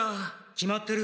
決まってる。